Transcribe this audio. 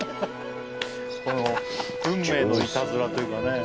この運命のいたずらというかね。